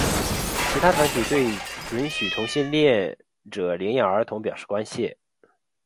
其他团体对准许同性恋者领养儿童表示关切。